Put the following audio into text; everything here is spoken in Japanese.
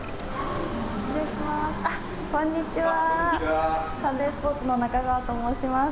失礼します。